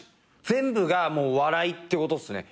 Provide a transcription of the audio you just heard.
全部が笑いってことっすね。